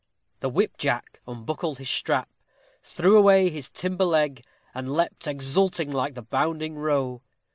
The whip jack unbuckled his strap, threw away his timber leg, and "leapt exulting, like the bounding roe."